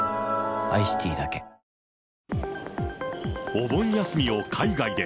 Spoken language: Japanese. お盆休みを海外で。